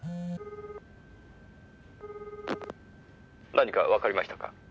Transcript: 「何かわかりましたか？」